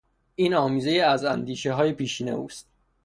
این آمیزهای از اندیشههای پیشین اوست.